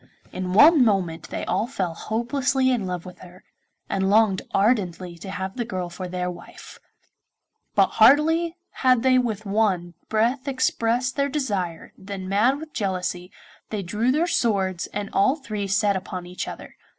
In one moment they all fell hopelessly in love with her, and longed ardently to have the girl for their wife; but hardly had they with one breath expressed their desire than, mad with jealousy, they drew their swords and all three set upon each other.